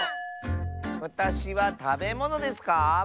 わたしはたべものですか？